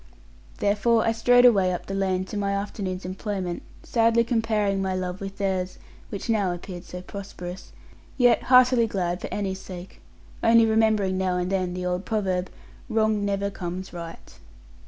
Therefore I strode away up the lane to my afternoon's employment, sadly comparing my love with theirs (which now appeared so prosperous), yet heartily glad for Annie's sake; only remembering now and then the old proverb 'Wrong never comes right.'